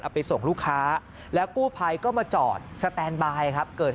ไปส่งลูกค้าแล้วกู้ภัยก็มาจอดสแตนบายครับเกิด